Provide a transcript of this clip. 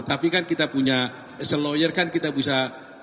tapi kan kita punya se lawyer kan kita bisa